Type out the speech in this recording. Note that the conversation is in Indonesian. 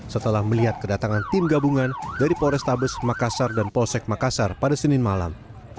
setelah melihat kedatangan tim gabungan dari polrestabes makassar dan polsek makassar pada senin malam